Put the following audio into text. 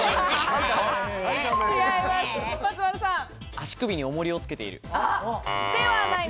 足首に重りをつけている。